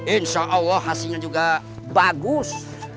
insya allah hasilnya juga bagus